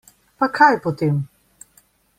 Pa kaj potem.